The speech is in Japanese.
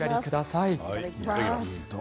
いただきます。